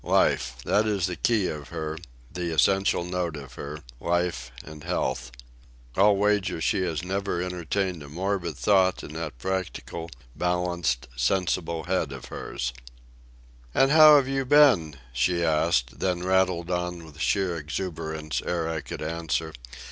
Life!—that is the key of her, the essential note of her—life and health. I'll wager she has never entertained a morbid thought in that practical, balanced, sensible head of hers. "And how have you been?" she asked, then rattled on with sheer exuberance ere I could answer.